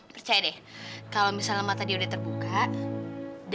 kayaknya aku sama sekali nggak berarti untuk dia